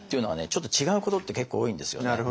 ちょっと違うことって結構多いんですよね。